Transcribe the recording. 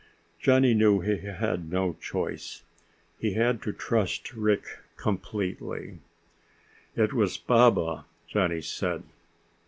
Johnny knew he had no choice, he had to trust Rick completely. "It was Baba," Johnny said.